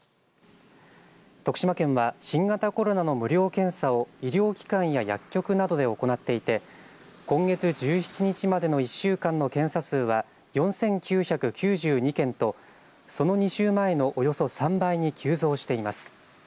徳島県は新型コロナの無料検査を医療機関や薬局などで行っていて今月１７日までの１週間の検査数は４９９２件とその２週前のおよそ３倍に急増しています。